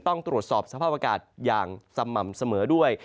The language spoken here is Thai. ต้องตรวจสอบสภาพอากาศอย่างสม่ำเสมอด้วย